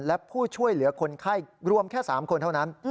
และผู้ช่วยเหลือคนไข้รวมแค่๓คนเท่านั้น